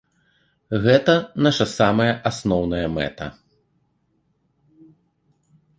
Гэта наша самая асноўная мэта.